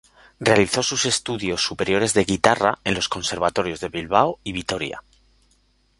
Realizó sus estudios superiores de Guitarra en los conservatorios de Bilbao y Vitoria.